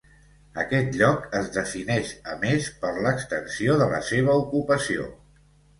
Aquest lloc es defineix a més per l'extensió de la seva ocupació.